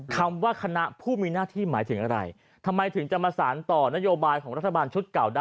คำว่าคณะผู้มีหน้าที่หมายถึงอะไรทำไมถึงจะมาสารต่อนโยบายของรัฐบาลชุดเก่าได้